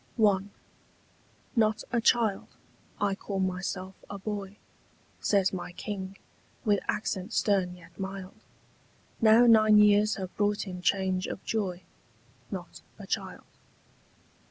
I. 'NOT a child: I call myself a boy,' Says my king, with accent stern yet mild, Now nine years have brought him change of joy; 'Not a child.